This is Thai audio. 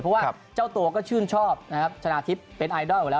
เพราะว่าเจ้าตัวก็ชื่นชอบนะครับชนะทิพย์เป็นไอดอลอยู่แล้ว